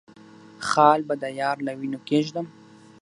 خال به د يار له وينو کېږدم